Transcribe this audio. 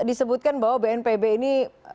disebutkan bahwa bnpb ini